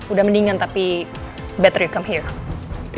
udah mendingan tapi lebih baik kamu datang ke sini